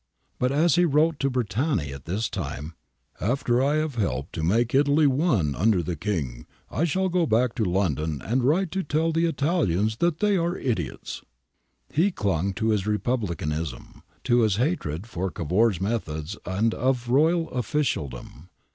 But, as he wrote to Bertani at this time, 'after I have helped to make Italy one under the King, I shall go back to Lon don and write to tell the Italians that they are idiots.' ^ He clung to his Republicanism, to his hatred for Cavour's methods and of royal officialdom.